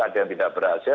ada yang tidak berhasil